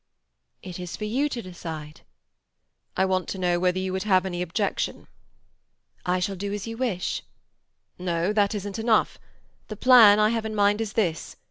"It is for you to decide." "I want to know whether you would have any objection." "I shall do as you wish." "No, that isn't enough. The plan I have in mind is this.